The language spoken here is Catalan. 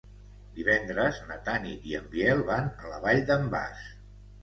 Divendres na Tanit i en Biel van a la Vall d'en Bas.